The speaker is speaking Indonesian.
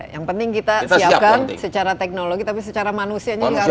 yang penting kita siapkan secara teknologi tapi secara manusianya juga harus